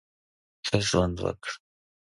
ښه ژوند وکړه !